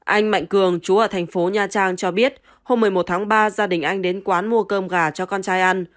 anh mạnh cường chú ở thành phố nha trang cho biết hôm một mươi một tháng ba gia đình anh đến quán mua cơm gà cho con trai ăn